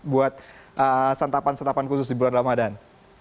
buat santapan santapan khusus di bulan ramadan